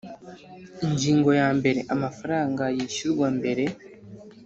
Ingingo ya mbere Amafaranga yishyurwa mbere